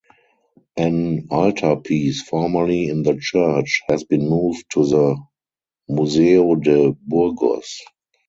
An altarpiece formerly in the church has been moved to the Museo de Burgos.